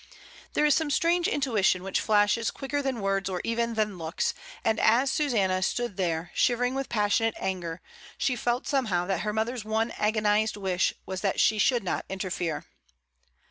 There is some strange intuition which flashes quicker than words or even than looks; and as Susanna stood there, shivering with passionate anger, she felt somehow that her mother's one agonised wish was that she should not interfere.